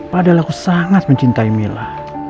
padahal aku sangat mencintai mila